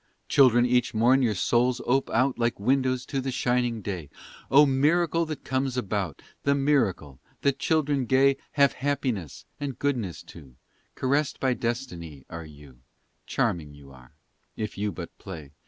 Children each morn your souls ope out Like windows to the shining day, Oh, miracle that comes about, The miracle that children gay Have happiness and goodness too, Caressed by destiny are you, Charming you are, if you but play.